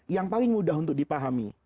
yang paling mudah untuk dipahami